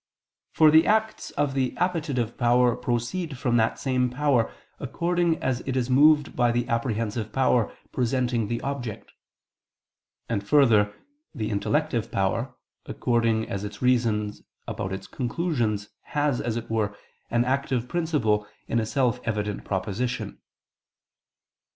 For the acts of the appetitive power proceed from that same power according as it is moved by the apprehensive power presenting the object: and further, the intellective power, according as it reasons about conclusions, has, as it were, an active principle in a self evident proposition.